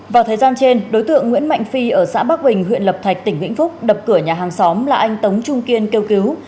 vào thời gian trên đối tượng nguyễn mạnh phi ở xã bắc bình huyện lập thạch tỉnh vĩnh phúc đập cửa nhà hàng xóm là anh tống trung kiên kêu cứu